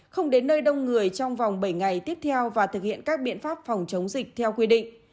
không đến nơi đông người trong vòng bảy ngày tiếp theo và thực hiện các biện pháp phòng chống dịch theo quy định